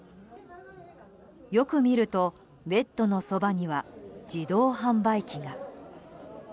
よく見ると、ベッドのそばには自動販売機が。